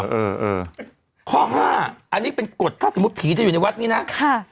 เออเออข้อห้าอันนี้เป็นกฎถ้าสมมุติผีจะอยู่ในวัดนี้นะค่ะ